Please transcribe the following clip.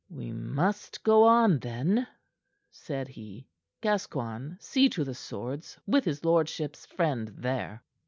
"We must go on, then," said he. "Gascoigne, see to the swords with his lordship's friend there."